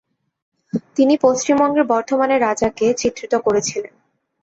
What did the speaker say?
তিনি পশ্চিমবঙ্গের বর্ধমানের রাজা-কে চিত্রিত করেছিলেন।